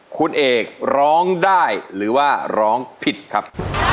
คุณเอกร้องได้หรือว่าร้องผิดครับ